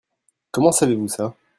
Comment savez-vous ça ?